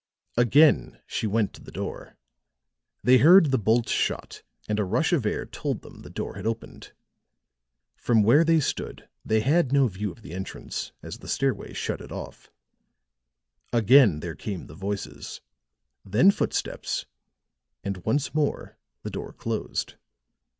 Again she went to the door; they heard the bolt shot and a rush of air told them the door had opened. From where they stood they had no view of the entrance, as the stairway shut it off. Again there came the voices, then footsteps and once more the door closed.